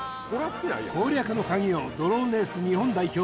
攻略のカギをドローンレース日本代表